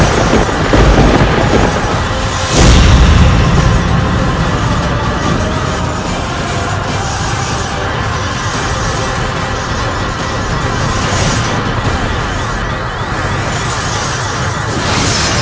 terus memberkati melrome di amal links